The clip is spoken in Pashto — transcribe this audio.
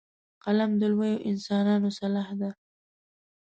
قلم د لویو انسانانو سلاح ده